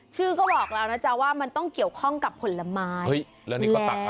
ชื่อก็บอกแล้วนะจ๊ะว่ามันต้องเกี่ยวข้องกับผลไม้